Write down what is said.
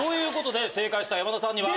正解した山田さんには。